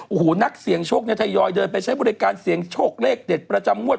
โอ้โหนักเสี่ยงโชคเนี่ยทยอยเดินไปใช้บริการเสียงโชคเลขเด็ดประจำงวด